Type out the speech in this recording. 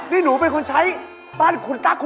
พี่อย่าไปบอกใครนะคะ